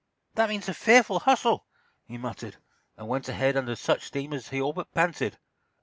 "That means a fearful hustle," he muttered, and went ahead under such steam that he all but panted.